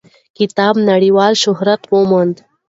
کتاب یې نړیوال شهرت وموند.